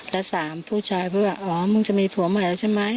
และสามผู้ชายพูดว่าอ๋อมึงจะมีผัวใหม่แล้วใช่ไหม